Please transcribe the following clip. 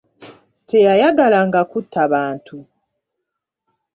Teyayagalanga kutta bantu.